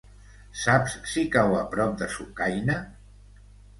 Saps si cau a prop de Sucaina?